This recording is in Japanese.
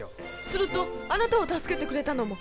するとあなたを助けてくれたのも。